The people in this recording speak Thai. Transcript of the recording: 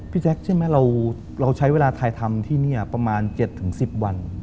แจ๊คใช่ไหมเราใช้เวลาถ่ายทำที่นี่ประมาณ๗๑๐วัน